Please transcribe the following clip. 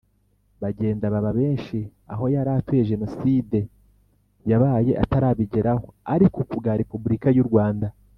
Bagenda Baba Benshi Aho Yari Atuye Jenoside Yabaye Atarabigeraho Ariko Ku Bwa Repubulika Y U Rwanda